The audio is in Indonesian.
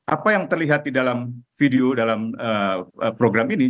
apa yang terlihat di dalam video dalam program ini